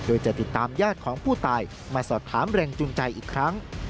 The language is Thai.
โดยจะติดตามญาติของผู้ตายมาสอบถามแรงจูงใจอีกครั้ง